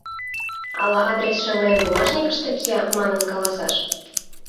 Ала адресше мыйын бумажникыште кия, манын каласаш?